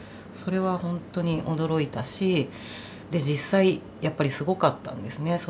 それはほんとに驚いたし実際やっぱりすごかったんですね